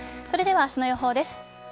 それでは明日の予報です。